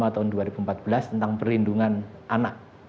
tahun dua ribu empat belas tentang perlindungan anak